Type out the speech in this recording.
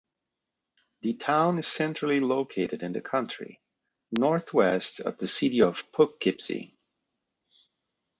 The town is centrally located in the county, northeast of the city of Poughkeepsie.